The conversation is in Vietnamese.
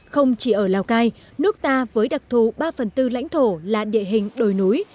không chỉ ở lào cai nước ta với đặc thù ba phần tư lãnh thổ là địa hình đồi núi